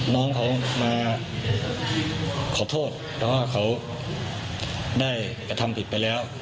น้องเขามาขอโทษแต่ว่าเขาได้กระทำผิดไปแล้ว